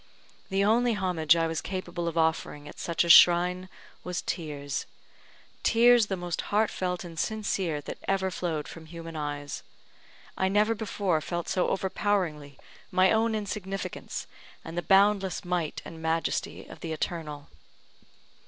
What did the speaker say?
The only homage I was capable of offering at such a shrine was tears tears the most heartfelt and sincere that ever flowed from human eyes. I never before felt so overpoweringly my own insignificance, and the boundless might and majesty of the Eternal.